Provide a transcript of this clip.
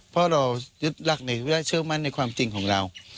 เพราะเรายึดและเชื่อมั่นในความจริงของเรา